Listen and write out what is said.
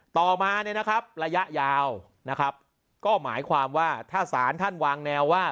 ต่อมาเนี่ยนะครับระยะยาวนะครับก็หมายความว่าถ้าศาลท่านวางแนวว่า